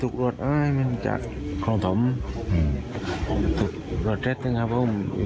ถูกเลยมากเจ็บงานฉันสามารถเอาสารเจ็บเห็นกัน